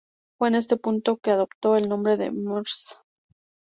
Fue en este punto que adoptó el nombre de "Mrs.